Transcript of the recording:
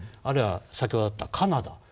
あるいは先ほどあったカナダ。